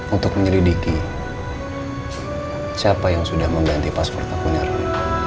untuk menyelidiki siapa yang sudah mengganti password akunnya roy